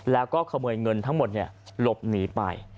แล้วก็ขโมยเงินทั้งหมดหลบหนีไป